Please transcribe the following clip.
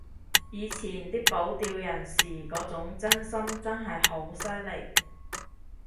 以前啲保釣人士嗰種真心真係好犀利